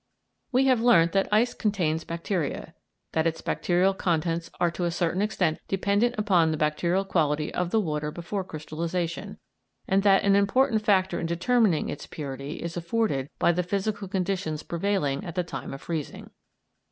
We have learnt that ice contains bacteria, that its bacterial contents are to a certain extent dependent upon the bacterial quality of the water before crystallisation, and that an important factor in determining its purity is afforded by the physical conditions prevailing at the time of freezing.